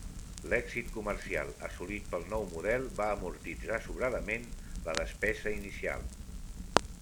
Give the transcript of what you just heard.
L'èxit comercial assolit pel nou model va amortitzar sobradament la despesa inicial.